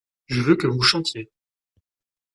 Je veux que vous chantiez.